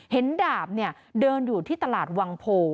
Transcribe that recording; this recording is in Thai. ดาบเดินอยู่ที่ตลาดวังโพ